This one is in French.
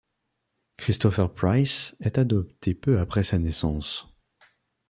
Christopher Price est adopté peu après sa naissance.